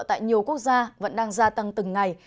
tại nhiều quốc gia vẫn đang gia tăng từng ngày